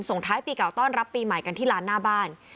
ท้ายปีเก่าต้อนรับปีใหม่กันที่ร้านหน้าบ้าน